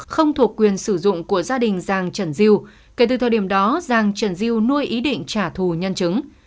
không thuộc quyền sử dụng của gia đình giàng trần diêu kể từ thời điểm đó giang trần diêu nuôi ý định trả thù nhân chứng